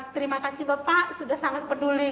terima kasih bapak sudah sangat peduli